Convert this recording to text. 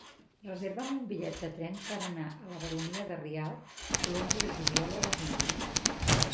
Reserva'm un bitllet de tren per anar a la Baronia de Rialb l'onze de juliol a les nou.